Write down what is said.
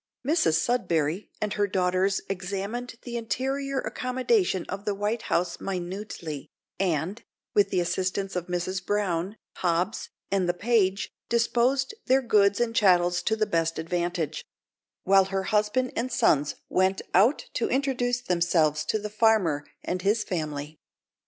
Mrs Sudberry and her daughters examined the interior accommodation of the White House minutely, and, with the assistance of Mrs Brown, Hobbs, and the page, disposed their goods and chattels to the best advantage; while her husband and sons went out to introduce themselves to the farmer and his family.